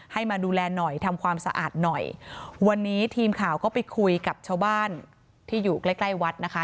มาดูแลหน่อยทำความสะอาดหน่อยวันนี้ทีมข่าวก็ไปคุยกับชาวบ้านที่อยู่ใกล้ใกล้วัดนะคะ